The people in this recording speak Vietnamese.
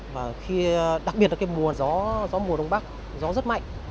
và khi đặc biệt là cái mùa gió mùa đông bắc gió rất mạnh